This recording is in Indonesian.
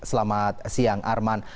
selamat siang arman